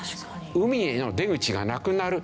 海への出口がなくなる。